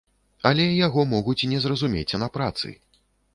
Але яго могуць не зразумець на працы.